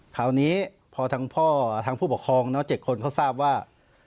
คราวนี้พอทางพ่อทางผู้ปกครอง๗คนเขาทราบว่า